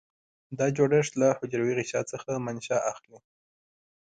دا جوړښت له حجروي غشا څخه منشأ اخلي.